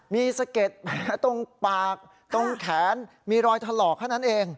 มีสะเก็ดแผลตรงปากตรงแขนมีรอยถลอกเท่านั้นเอง